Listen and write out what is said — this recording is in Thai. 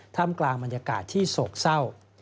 ทำกลางบรรยากาศที่โศกเศร้า